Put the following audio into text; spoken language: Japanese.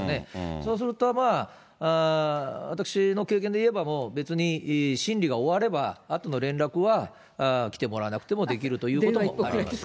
そうすると、私の経験でいえば、別に審理が終われば、あとの連絡は来てもらわなくてもできるということもあります。